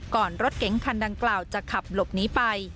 รถเก๋งคันดังกล่าวจะขับหลบหนีไป